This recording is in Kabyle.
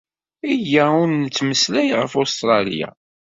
Iyya ur nettmeslay ɣef Ustṛalya.